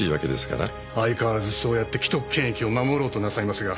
相変わらずそうやって既得権益を守ろうとなさいますが。